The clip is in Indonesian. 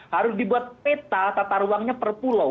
harus dibuat peta tata ruangnya per pulau